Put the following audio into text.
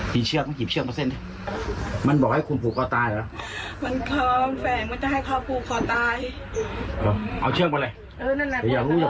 คุณเจอเชือกแล้วคุณจะรู้สึกยังไง